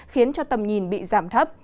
khiến tầm nhìn bị giảm thấp